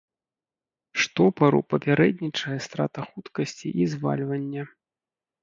Штопару папярэднічае страта хуткасці і звальванне.